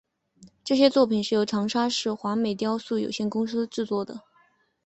这些作品是由长沙市华美雕塑有限公司制作的。